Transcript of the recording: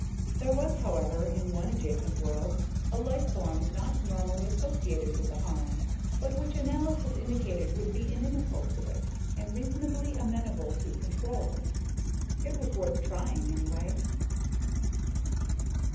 _ _There was, however, in one adjacent world, a life form not normally associated with the Harn; but which analysis indicated would be inimical to it, and reasonably amenable to control._ _It was worth trying, anyway.